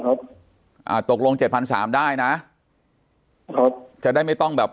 อ่าตกลงเจ็ดพันสามได้นะครับจะได้ไม่ต้องแบบ